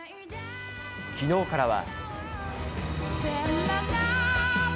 きのうからは。